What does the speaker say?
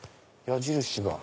矢印が。